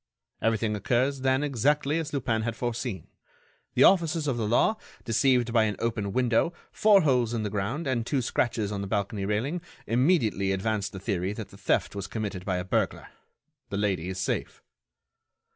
Everything occurs then exactly as Lupin had foreseen. The officers of the law, deceived by an open window, four holes in the ground and two scratches on the balcony railing, immediately advance the theory that the theft was committed by a burglar. The lady is safe."